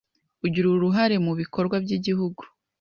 ugira uruhare mu bikorwa by’Igihugu